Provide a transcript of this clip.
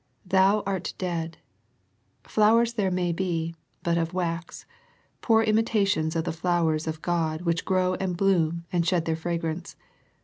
" Thou art dead." Flowers there may be, but of wax, poor imitations of the flowers of God which grow and bloom and shed their fra grance.